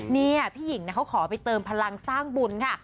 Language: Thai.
นี่พี่หญิงเขาขอไปเติมพลังสร้างบุญค่ะ